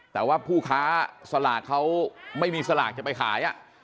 แต่ว่าผู้ค้าสลากเขาไม่มีสลากจะไปขาย